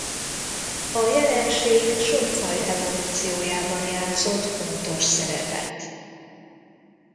A jelenség sok faj evolúciójában játszott fontos szerepet.